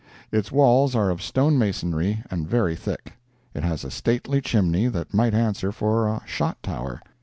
Its walls are of stone masonry and very thick. It has a stately chimney that might answer for a shot tower.